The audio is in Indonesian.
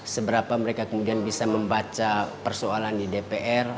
seberapa mereka kemudian bisa membaca persoalan di dpr